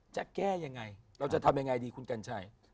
จะแก้ยังไงเราจะทำยังไงดีคุณกัญชัย